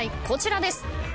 こちらです。